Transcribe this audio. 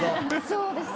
そうですよね。